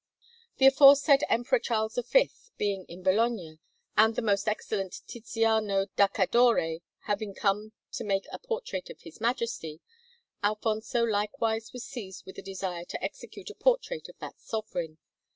The aforesaid Emperor Charles V being in Bologna, and the most excellent Tiziano da Cadore having come to make a portrait of his Majesty, Alfonso likewise was seized with a desire to execute a portrait of that Sovereign.